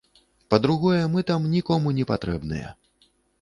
Па-другое, мы там нікому не патрэбныя.